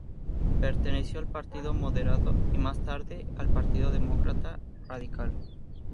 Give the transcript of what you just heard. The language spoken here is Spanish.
Perteneció al Partido Moderado y más tarde al Partido Demócrata-Radical.